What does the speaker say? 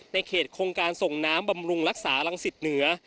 ในเขตโครงการส่งน้ำบำรุงรักษารังสิตเหนือ